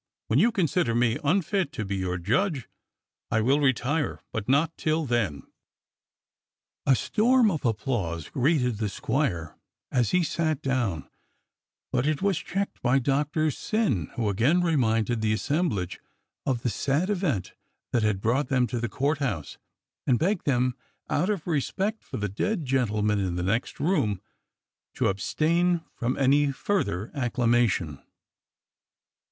When you consider me unfit to be your judge I will retire, but not till then.'* A storm of applause greeted the squire as he sat down, but it was cheeked by Doctor Syn, who again reminded the assemblage of the sad event that had brought them to the Court House and begged them out of respect for the dead gentleman in the next room to abstain from any further acclamation.